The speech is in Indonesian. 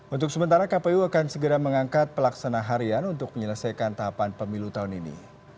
untuk sementara kpu akan segera mengangkat pelaksana harian untuk menyelesaikan tahapan pemilu tahun ini